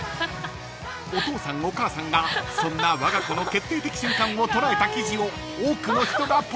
［お父さんお母さんがそんなわが子の決定的瞬間を捉えた記事を多くの人がポチっていた］